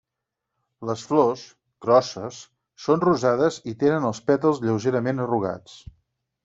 Les flors, grosses, són rosades i tenen els pètals lleugerament arrugats.